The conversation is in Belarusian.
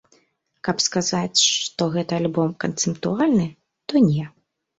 Каб сказаць, што гэты альбом канцэптуальны, то не.